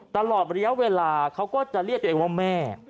ตลอดระยะเวลาเขาก็จะเรียกตัวเองว่าแม่